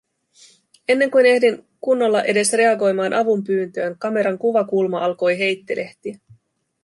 Ennen kuin ehdin kunnolla edes reagoimaan avunpyyntöön, kameran kuvakulma alkoi heittelehtiä.